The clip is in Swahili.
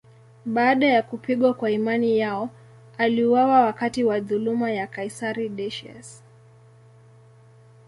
Baada ya kupigwa kwa imani yao, waliuawa wakati wa dhuluma ya kaisari Decius.